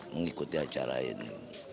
mengikuti acara ini